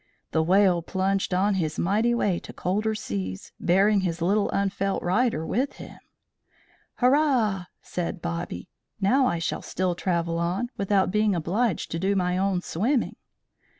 The whale plunged on his mighty way to colder seas, bearing his little unfelt rider with him. "Hurrah!" said Bobby. "Now I shall still travel on, without being obliged to do my own swimming."